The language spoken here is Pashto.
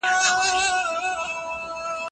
څېړنیزه مقاله له شاګرد څخه ډېر دقت غواړي.